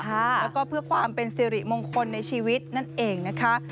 แล้วก็เพื่อความเป็นสิริมงคลในชีวิตนั่นเองนะคะ